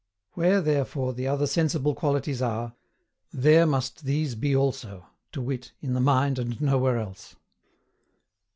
Where therefore the other sensible qualities are, there must these be also, to wit, in the mind and nowhere else.